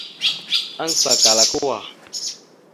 Aŋgəsa kal kawá.